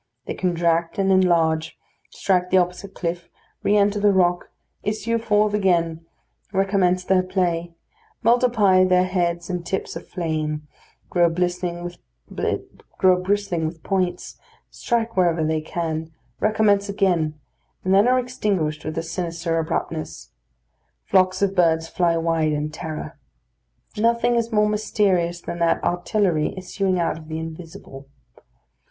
They contract and enlarge; strike the opposite cliff, re enter the rock, issue forth again, recommence their play, multiply their heads and tips of flame, grow bristling with points, strike wherever they can, recommence again, and then are extinguished with a sinister abruptness. Flocks of birds fly wide in terror. Nothing is more mysterious than that artillery issuing out of the invisible.